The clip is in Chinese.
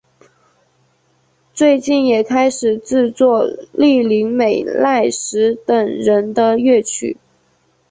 最近也开始制作栗林美奈实等人的乐曲。